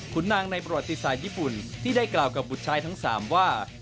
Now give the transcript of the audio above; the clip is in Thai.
คุณนางในประวัติศาสตร์ญี่ปุ่นที่ได้กล่าวกับบุตรชายทั้ง๓ว่า